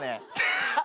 「ハハッ！